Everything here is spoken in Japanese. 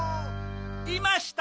いました！